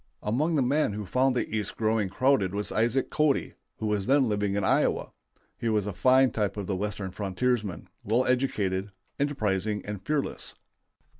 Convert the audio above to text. Among the men who found the East growing crowded was Isaac Cody, who was then living in Iowa. He was a fine type of the Western frontiersman, well educated, enterprising, and fearless.